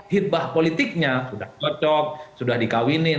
hitbah politiknya sudah cocok sudah dikawinin